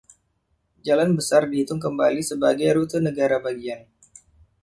Jalan besar dihitung kembali sebagai rute negara bagian.